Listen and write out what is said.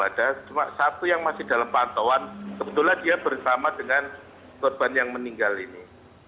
ada cuma satu yang masih dalam pantauan kebetulan dia bersama dengan korban yang meninggal ini